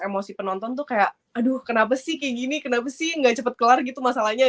emosi penonton tuh kayak aduh kenapa sih kayak gini kenapa sih gak cepet kelar gitu masalahnya